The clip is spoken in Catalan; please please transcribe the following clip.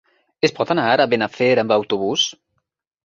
Es pot anar a Benafer amb autobús?